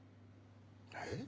えっ？